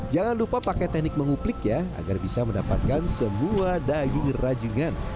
jangan lupa pakai teknik menguplik ya agar bisa mendapatkan semua daging rajungan